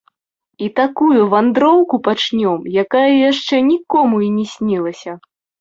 І такую вандроўку пачнём, якая яшчэ нікому і не снілася!